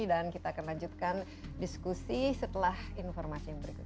dan kita akan lanjutkan diskusi setelah informasi yang berikut ini